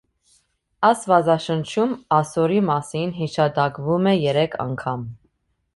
Աստվածաշնչում ասորի մասին հիշատակվում է երեք անգամ։